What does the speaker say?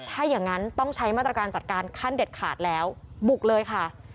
ถ้าอย่างนั้นต้องใช้มาตรการจัดการขั้นเด็ดขาดแล้วบุกเลยค่ะ